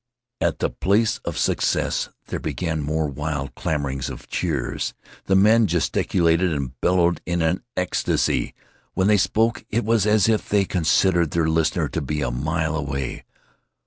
At the place of success there began more wild clamorings of cheers. The men gesticulated and bellowed in an ecstasy. When they spoke it was as if they considered their listener to be a mile away.